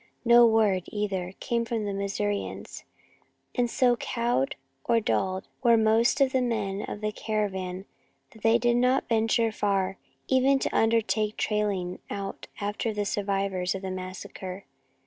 No word, either, came from the Missourians, and so cowed or dulled were most of the men of the caravan that they did not venture far, even to undertake trailing out after the survivors of the massacre.